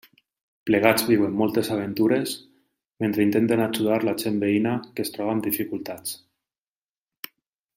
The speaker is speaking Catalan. Plegats viuen moltes aventures mentre intenten ajudar la gent veïna que es troba amb dificultats.